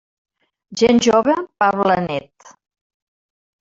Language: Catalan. Gent jove, pa blanet.